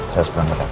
saya seberang ke tadi